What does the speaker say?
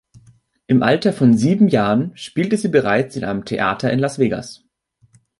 Im Alter von sieben Jahren spielte sie bereits in einem Theater in Las Vegas.